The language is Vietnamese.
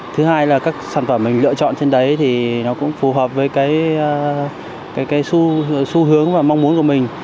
thứ hai là các sản phẩm mình lựa chọn trên đấy thì nó cũng phù hợp với cái xu hướng và mong muốn của mình